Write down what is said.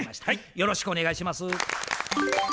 よろしくお願いします。